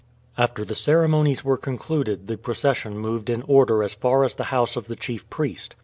After the ceremonies were concluded the procession moved in order as far as the house of the chief priest.